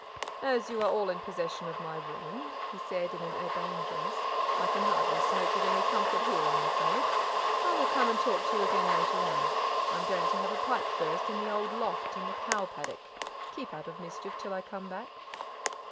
"As you are all in possession of my room," he said in an urbane voice, "I can hardly smoke with any comfort here, I am afraid. I will come and talk to you again later on. I am going to have a pipe first in the old loft in the cow paddock. Keep out of mischief till I come back."